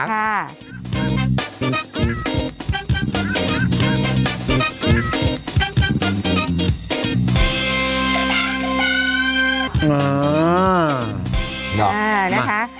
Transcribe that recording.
อ่านะคะ